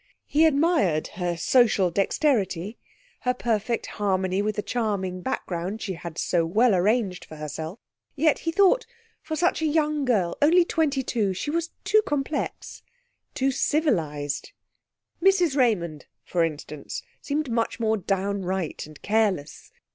He admired her social dexterity, her perfect harmony with the charming background she had so well arranged for herself. Yet, he thought, for such a young girl, only twenty two, she was too complex, too civilised. Mrs Raymond, for instance, seemed much more downright and careless.